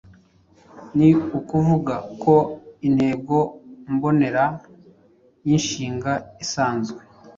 Ni ukuvuga ko intego mbonera y’inshinga isanzwe